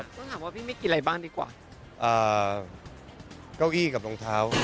ต้องถามว่าพี่ไม่กินอะไรบ้างดีกว่า